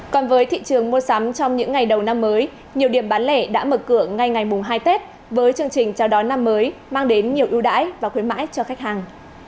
còn với thị trường mua sắm trong những ngày đầu năm mới nhiều điểm bán lẻ đã mở cửa ngay ngày mùng hai tết với chương trình chào đón năm mới mang đến nhiều ưu đãi và khuyến mãi cho khách hàng